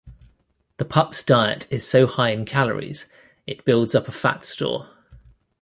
The pup's diet is so high in calories, it builds up a fat store.